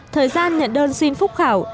thời gian nhận đơn xin phúc khảo